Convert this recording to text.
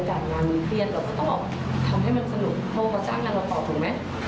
เข้าไปจ้างงานแล้วตอบถูกไหม